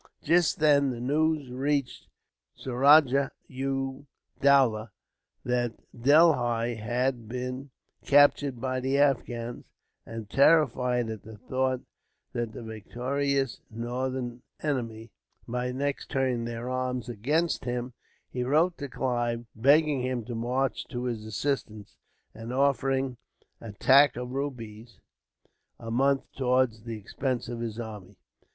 Just then, the news reached Suraja u Dowlah that Delhi had been captured by the Afghans; and, terrified at the thought that the victorious northern enemy might next turn their arms against him, he wrote to Clive, begging him to march to his assistance, and offering a lac of rupees a month towards the expense of his army.